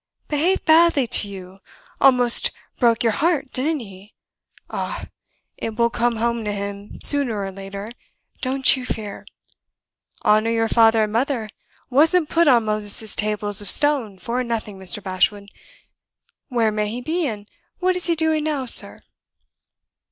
"Behaved badly to you almost broke your heart, didn't he? Ah, it will come home to him, sooner or later. Don't you fear! 'Honor your father and mother,' wasn't put on Moses's tables of stone for nothing, Mr. Bashwood. Where may he be, and what is he doing now, sir?"